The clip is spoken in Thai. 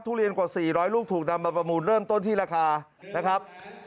เรียนกว่า๔๐๐ลูกถูกนำมาประมูลเริ่มต้นที่ราคานะครับ